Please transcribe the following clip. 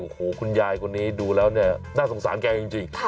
โอ้โหคุณยายคนนี้ดูแล้วเนี่ยน่าสงสารแกจริง